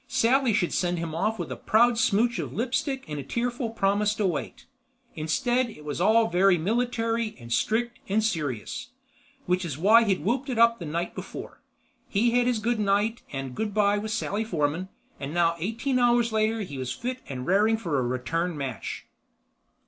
Sally should send him off with a proud smooch of lipstick and a tearful promise to wait. Instead it was all very military and strict and serious—which is why he'd whooped it up the night before. He'd had his good night and good by with Sally Forman, but now eighteen hours later he was fit and raring for a return match.